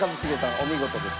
お見事です。